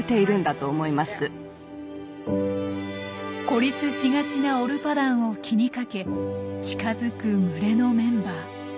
孤立しがちなオルパダンを気にかけ近づく群れのメンバー。